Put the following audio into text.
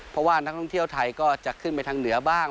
เพราะว่านักท่องเที่ยวไทยก็จะขึ้นไปทางเหนือบ้าง